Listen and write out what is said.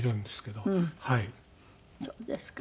そうですか。